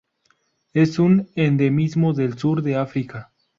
Es un endemismo del sur de África.